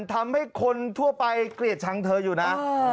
ทำให้คนทั่วไปเกลียดชังเธออยู่นะ